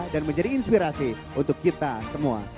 dan menjadi inspirasi untuk kita semua